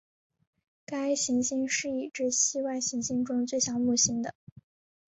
该行星是已知系外行星中最像木星的。